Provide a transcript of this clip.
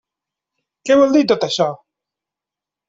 Què vol dir tot això?